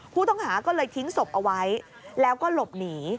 ผู้ต้องหาก็เลยทิ้งศพเอาไว้แล้วก็หลบหนี